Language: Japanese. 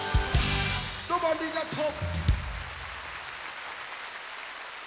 どうもありがとう。